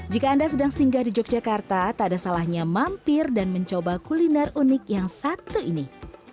jika anda sedang singgah di yogyakarta tak ada salahnya mampir dan mencoba kuliner unik yang satu ini